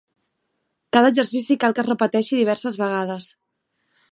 Cada exercici cal que es repeteixi diverses vegades.